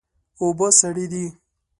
اوبه سړې دي.